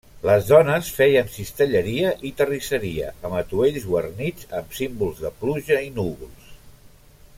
Les dones feien cistelleria i terrisseria, amb atuells guarnits amb símbols de pluja i núvols.